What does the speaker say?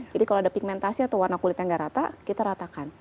jadi kalau ada pigmentasi atau warna kulit yang nggak rata kita ratakan